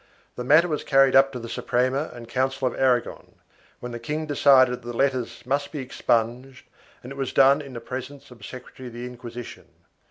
The matter was carried up to the Suprema and Council of Aragon, when the king decided that the letters must be expunged and it was done in presence of a secre tary of the Inquisition.